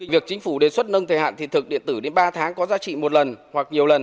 việc chính phủ đề xuất nâng thời hạn thị thực điện tử đến ba tháng có giá trị một lần hoặc nhiều lần